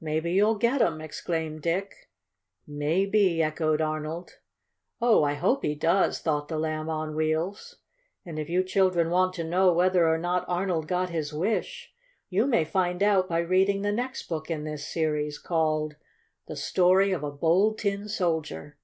"Maybe you'll get 'em!" exclaimed Dick. "Maybe," echoed Arnold, "Oh, I hope he does," thought the Lamb on Wheels. And if you children want to know whether or not Arnold got his wish you may find out by reading the next book in this series, called: "The Story of a Bold Tin Soldier."